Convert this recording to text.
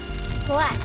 怖い。